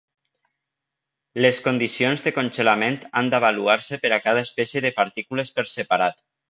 Les condicions de congelament han d'avaluar-se per a cada espècie de partícules per separat.